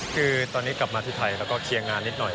คือตอนนี้กลับมาที่ไทยแล้วก็เคลียร์งานนิดหน่อย